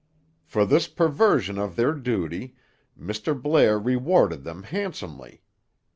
For this perversion of their duty, Mr. Blair rewarded them handsomely.